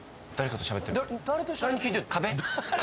壁としゃべってる？